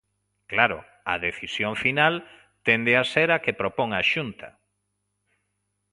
Claro, a decisión final tende a ser a que propón a Xunta.